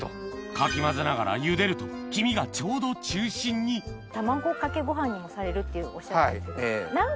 かき混ぜながらゆでると黄身がちょうど中心に卵かけご飯にもされるっておっしゃって。